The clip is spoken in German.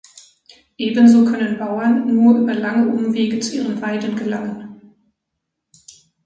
Ebenso können Bauern nur über lange Umwege zu ihren Weiden gelangen.